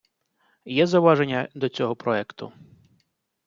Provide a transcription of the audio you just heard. Є зауваження до цього проекту?